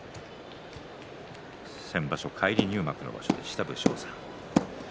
先場所返り入幕の場所、武将山。